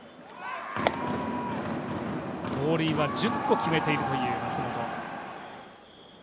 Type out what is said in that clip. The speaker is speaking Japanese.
盗塁は１０個決めているという松本。